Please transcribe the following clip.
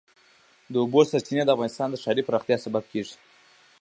د اوبو سرچینې د افغانستان د ښاري پراختیا سبب کېږي.